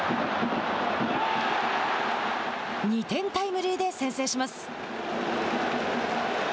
２点タイムリーで先制します。